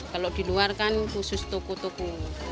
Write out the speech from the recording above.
kalau di luar kan khusus toko toko